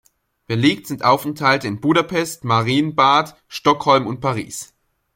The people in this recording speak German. Belegt sind Aufenthalte in Budapest, Marienbad, Stockholm und Paris.